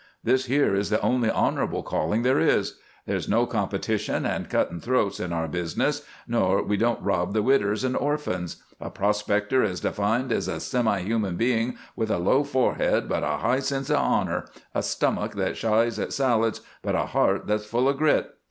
This here is the only honorable calling there is. There's no competition and cuttin' throats in our business, nor we don't rob the widders and orphans. A prospector is defined as a semi human being with a low forehead but a high sense of honor, a stummick that shies at salads, but a heart that's full of grit.